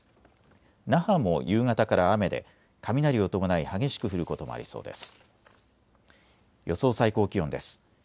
那覇も夕方から雨で雷を伴い激しく降ることもありそうです。